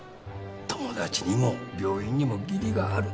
友達にも病院にも義理がある。